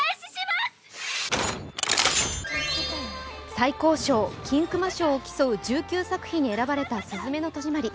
最高賞・金熊賞を競う１９作品に選ばれた「すずめの戸締まり」。